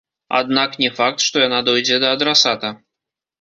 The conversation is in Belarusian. Аднак не факт, што яна дойдзе да адрасата.